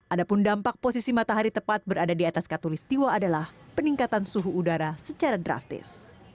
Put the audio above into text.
adapun dampak posisi matahari tepat berada di atas katulistiwa adalah peningkatan suhu udara secara drastis